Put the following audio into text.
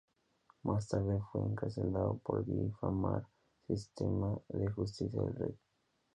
Más tarde fue encarcelado por difamar sistema de justicia del Rey.